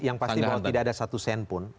yang pasti bahwa tidak ada satu sen pun